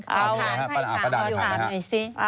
ป้าด่านหน่อยสิ